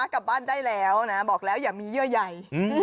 กลับบ้านได้แล้วนะบอกแล้วอย่ามีเยื่อใหญ่